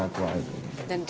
waktunya lalsuntik di situ lancar